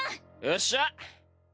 よっしゃ。